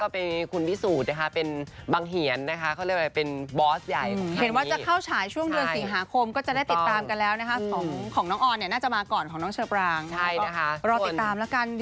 เปิดตัวไปนะคะก็ได้แหละค่ะ